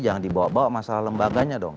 jangan dibawa bawa masalah lembaganya dong